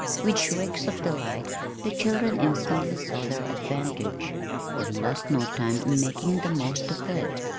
With shrieks of delight the children instantly saw their advantage, and lost no time in making the most of it.